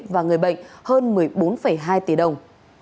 và người bệnh hơn một mươi bốn hai tỷ đồng